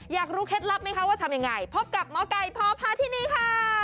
อยากรู้เคล็ดลับไหมคะว่าทำยังไงพบกับหมอไก่พอพาที่นี่ค่ะ